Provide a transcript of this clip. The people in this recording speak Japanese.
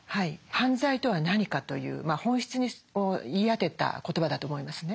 「犯罪とは何か」という本質を言い当てた言葉だと思いますね。